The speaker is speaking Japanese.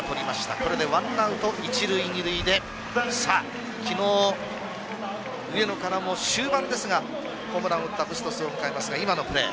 これで１アウト１塁２塁でさあ、昨日上野からも終盤ですがホームランを打ったブストスを迎えますが今のプレー。